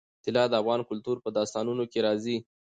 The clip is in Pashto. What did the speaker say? طلا د افغان کلتور په داستانونو کې راځي.